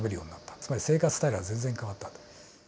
つまり生活スタイルが全然変わったと。